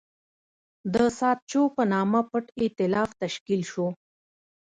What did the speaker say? د ساتچو په نامه پټ اېتلاف تشکیل شو.